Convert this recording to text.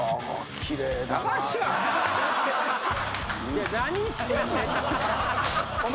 いや何してんねん。